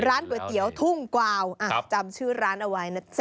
ร้านก๋วยเตี๋ยวทุ่งกวาวจำชื่อร้านเอาไว้นะจ๊